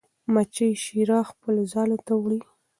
مچۍ شیره خپلو ځالو ته وړي.